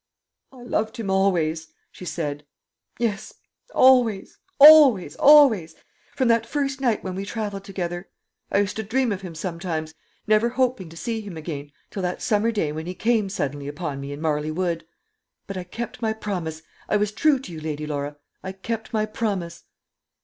"I loved him always," she said; "yes always, always, always from that first night when we travelled together! I used to dream of him sometimes, never hoping to see him again, till that summer day when he came suddenly upon me in Marley Wood. But I kept my promise; I was true to you, Lady Laura; I kept my promise."